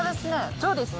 そうですね。